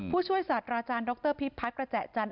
ผู้ช่วยสัตว์อาจารย์ดรพิพัทรกระแจจัน